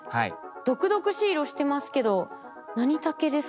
毒々しい色してますけど何タケですか？